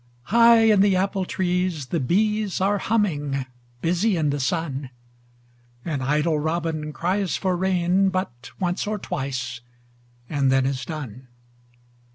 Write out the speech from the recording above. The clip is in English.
High in the apple trees the bees Are humming, busy in the sun, An idle robin cries for rain But once or twice and then is done.